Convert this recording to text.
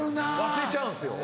忘れちゃうんすよ。